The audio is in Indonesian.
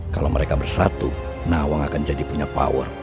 kalau mereka bersatu nawang akan jadi punya power